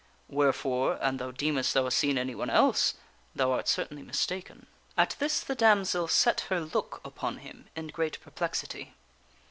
Wherefore, an thou deemest thou hast seen anyone else, thou art certainly mistaken." At this the damsel set her look upon him, in great perplexity.